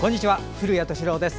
古谷敏郎です。